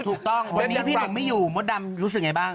ถูกต้องวันนี้พี่หนุ่มไม่อยู่มดดำรู้สึกไงบ้าง